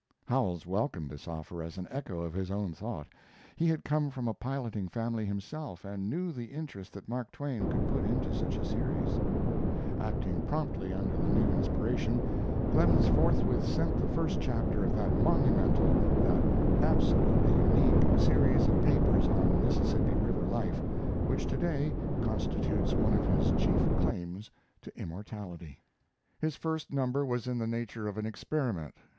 Howells welcomed this offer as an echo of his own thought. He had come from a piloting family himself, and knew the interest that Mark Twain could put into such a series. Acting promptly under the new inspiration, Clemens forthwith sent the first chapter of that monumental, that absolutely unique, series of papers on Mississippi River life, which to day constitutes one of his chief claims to immortality. His first number was in the nature of an experiment.